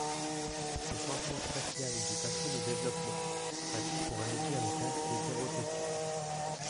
Ce changement spatial du patron de développement a tout pour indiquer un cas d'hétérotopie.